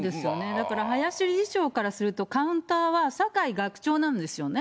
だから林理事長からすると、カウンターは酒井学長なんですよね。